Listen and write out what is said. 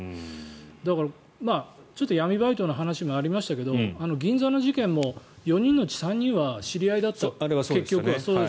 だから、闇バイトの話もありましたけど銀座の事件も４人のうち３人は知り合いだったと、結局。